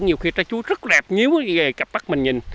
nhiều khi trái chuối rất đẹp nhíu cái cặp bắt mình nhìn